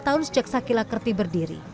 di rumah secek sakila kerti berdiri